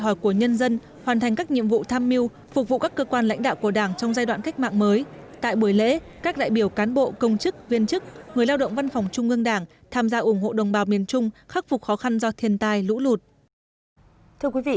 lãnh đạo của đảng trong giai đoạn cách mạng mới tại buổi lễ các đại biểu cán bộ công chức viên chức người lao động văn phòng trung mương đảng tham gia ủng hộ đồng bào miền trung khắc phục khó khăn do thiền tài lũ lụt